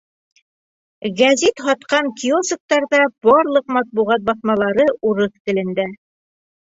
Гәзит һатҡан киосктарҙа барлыҡ матбуғат баҫмалары урыҫ телендә.